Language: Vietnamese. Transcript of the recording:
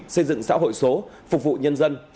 xây dựng xã hội số phục vụ nhân dân